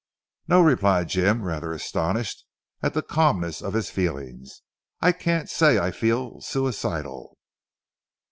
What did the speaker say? "No!" replied Jim rather astonished at the calmness of his feelings. "I can't say I feel suicidal."